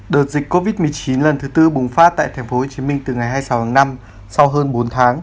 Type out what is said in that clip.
đợt dịch covid một mươi chín lần thứ tư bùng phát tại tp hcm từ ngày hai mươi sáu tháng năm sau hơn bốn tháng